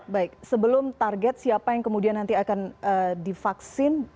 baik sebelum target siapa yang kemudian nanti akan divaksin